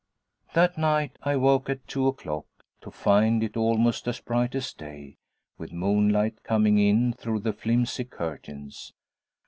That night I woke at two o'clock to find it almost as bright as day, with moonlight coming in through the flimsy curtains.